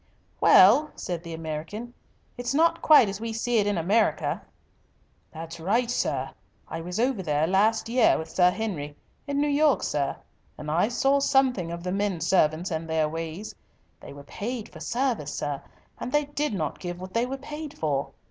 "Well," said the American, "it's not quite as we see it in America." "That's right, sir. I was over there last year with Sir Henry in New York, sir, and I saw something of the men servants and their ways. They were paid for service, sir, and they did not give what they were paid for.